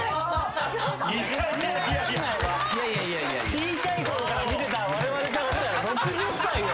小ちゃい頃から見てたわれわれからしたら６０歳よ。